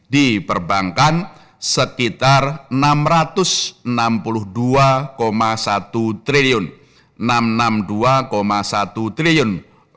di perbankan sekitar rp enam ratus enam puluh dua satu triliun